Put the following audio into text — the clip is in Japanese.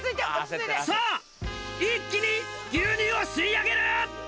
さぁ一気に牛乳を吸い上げる。